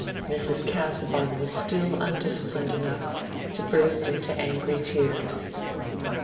Mrs. Casaubon was still undisciplined enough to burst into angry tears.